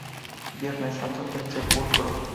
Viernes santo: El sepulcro.